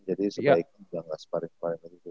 jadi sebaiknya janganlah sparring sparring